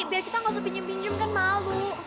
biar kita gak usah pinjem pinjem kan malu